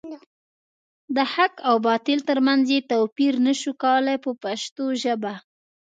د حق او باطل تر منځ یې توپیر نشو کولای په پښتو ژبه.